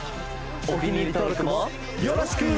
お気に入り登録もよろしく！